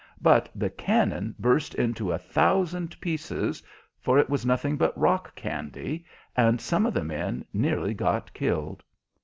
But the cannon burst into a thousand pieces, for it was nothing but rock candy, and some of the men nearly got killed.